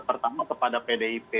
pertama kepada pdip